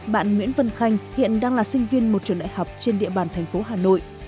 bạn nguyễn vân khanh hiện đang là sinh viên một trường đại học trên địa bàn thành phố hà nội